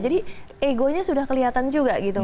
jadi egonya sudah kelihatan juga gitu